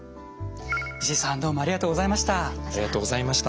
石井さんどうもありがとうございました。